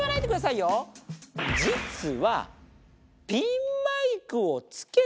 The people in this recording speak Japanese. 実は。